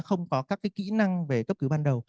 không có các cái kĩ năng về cấp cứu ban đầu